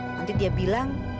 nanti dia bilang